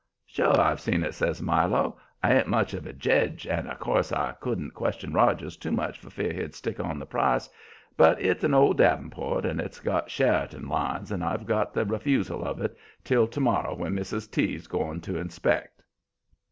"Sure I've seen it!" says Milo. "I ain't much of a jedge, and of course I couldn't question Rogers too much for fear he'd stick on the price. But it's an old davenport, and it's got Sheriton lines and I've got the refusal of it till to morrow, when Mrs. T's going up to inspect."